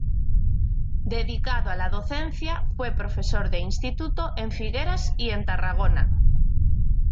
Dedicado a la docencia, fue profesor de instituto en Figueras y en Tarragona.